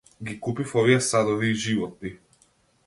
Ги купив овие садови и животни.